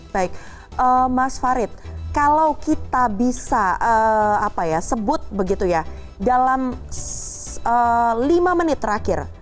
baik mas farid kalau kita bisa sebut begitu ya dalam lima menit terakhir